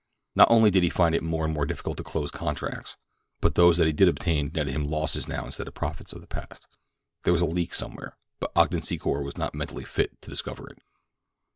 Not only did he find it more and more difficult to close contracts, but those that he did obtain netted him losses now instead of the profits of the past. There was a leak somewhere, but Ogden Secor was not mentally fit to discover it.